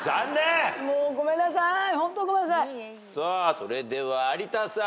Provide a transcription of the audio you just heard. それでは有田さん。